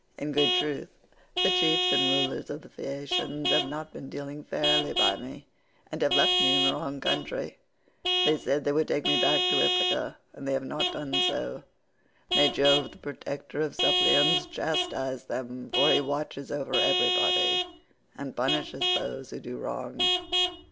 In good truth the chiefs and rulers of the Phaeacians have not been dealing fairly by me, and have left me in the wrong country; they said they would take me back to Ithaca and they have not done so: may Jove the protector of suppliants chastise them, for he watches over everybody and punishes those who do wrong.